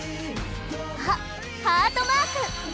あっハートマーク！